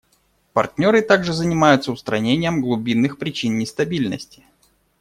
Партнеры также занимаются устранением глубинных причин нестабильности.